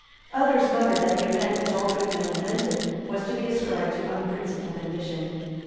Others muttered that the event which all good men lamented was to be ascribed to unprincipled ambition.